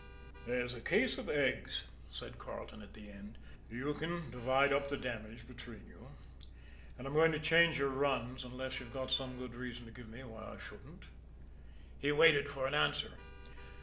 "There's a case of eggs," said Carleton at the end. "You can divide up the damage between you. And I'm going to change your runs, unless you've got some good reason to give me why I shouldn't?" He waited for an answer.